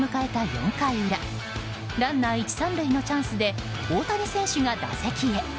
４回裏ランナー１、３塁のチャンスで大谷選手が打席へ。